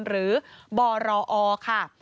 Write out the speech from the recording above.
หรือบรอค่ะ